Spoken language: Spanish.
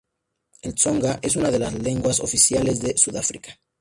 El tsonga es una de las lenguas oficiales de Sudáfrica.